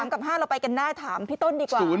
กับ๕เราไปกันได้ถามพี่ต้นดีกว่า